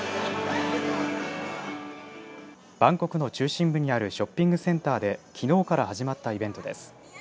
バンコクの中心部にあるショッピングセンターできのうから始まったイベントです。